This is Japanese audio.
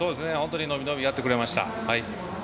伸び伸びやってくれました。